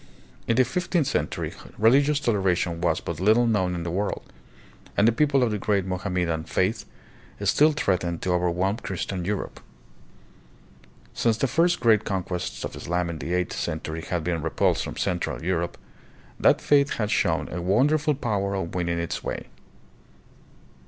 In the fif teenth century, religious toleration was but little known in the world, and the people of the great Mohammedan faith still threatened to overwhelm Christian Europe. Since the first great conquests of Islam in the eighth cen tury had been repulsed from central Europe, that faith had shown a wonderful power of winning its way.